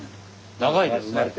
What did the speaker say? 長いですね。